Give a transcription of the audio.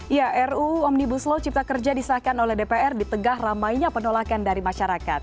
ya ruu omnibus law cipta kerja disahkan oleh dpr di tengah ramainya penolakan dari masyarakat